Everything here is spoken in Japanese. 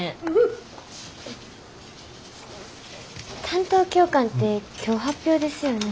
担当教官って今日発表ですよね？